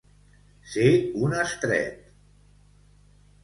Ser un estret.